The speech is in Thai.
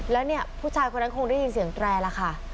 แล้วเนี่ยผู้ชายคนนั้นคงได้ยินเสียงแตรแล้วค่ะ